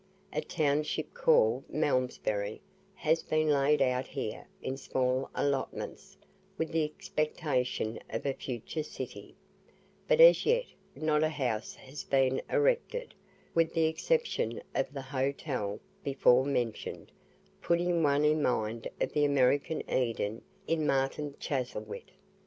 A township called Malmsbury has been laid out here in small allotments with the expectation of a future city; but as yet not a house has been erected, with the exception of the "hotel" before mentioned, putting one in mind of the American Eden in "Martin Chuzzlewit."